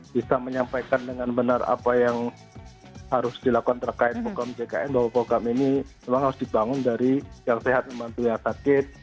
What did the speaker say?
bisa menyampaikan dengan benar apa yang harus dilakukan terkait program jkn bahwa program ini memang harus dibangun dari yang sehat membantu yang sakit